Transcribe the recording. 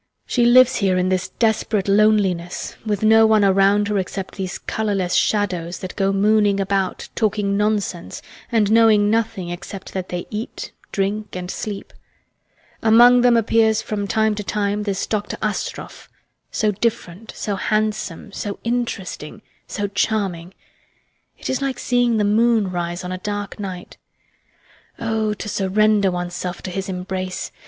She lives here in this desperate loneliness with no one around her except these colourless shadows that go mooning about talking nonsense and knowing nothing except that they eat, drink, and sleep. Among them appears from time to time this Dr. Astroff, so different, so handsome, so interesting, so charming. It is like seeing the moon rise on a dark night. Oh, to surrender oneself to his embrace!